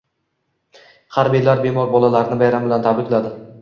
Harbiylar bemor bolalarni bayram bilan tabrikladi